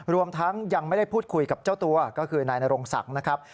รวมทั้งยังไม่ได้พูดคุยกับเจ้าตัวก็คือนายนรงศักดิ์นะครับ